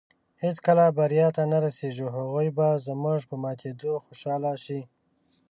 هېڅکله بریا ته نۀ رسېږو. هغوی به زموږ په ماتېدو خوشحاله شي